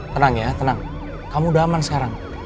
tenang ya tenang kamu udah aman sekarang